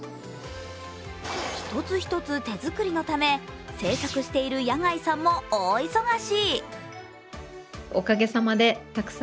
一つ一つ手作りのため、製作している谷貝さんも大忙し。